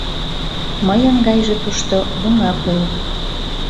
Мыйын гайже тушто лыҥак уло.